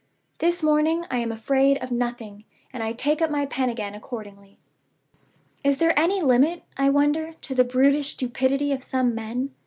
"This morning I am afraid of nothing, and I take up my pen again accordingly. "Is there any limit, I wonder, to the brutish stupidity of some men?